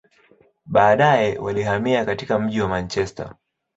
Baadaye, walihamia katika mji wa Manchester.